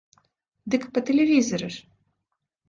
Дык па тэлевізары ж!